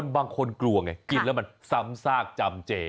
บางคนกลัวไงกินแล้วมันซ้ำซากจำเจ